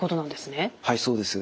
はいそうです。